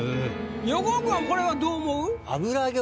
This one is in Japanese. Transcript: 横尾君はこれはどう思う？